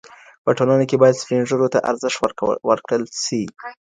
په ټولنه کي باید سپین ږیرو ته ارزښت ورکړل سي.